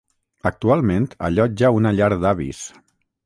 Actualment allotja una llar d'avis.